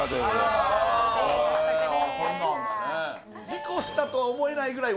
事故したとは思えないぐらい